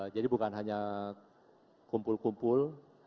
jadi bukan hanya kumpul kumpul